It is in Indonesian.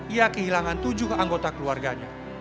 ia kehilangan tujuh anggota keluarganya